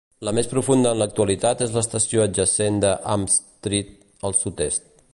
La més profunda en l'actualitat és l'estació adjacent de Hampstead, al sud-est.